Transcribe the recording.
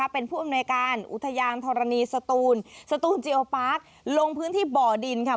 เป็นผู้อำนวยการอุทยานธรณีสตูนสตูนเจียโอปาร์คลงพื้นที่บ่อดินค่ะ